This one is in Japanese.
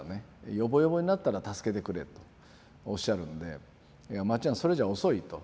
ヨボヨボになったら助けてくれとおっしゃるんでいやまっちゃんそれじゃ遅いと。